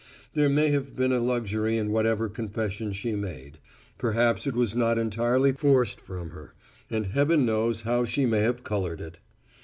There may have been a luxury in whatever confession she made; perhaps it was not entirely forced from her, and heaven knows how she may have coloured it.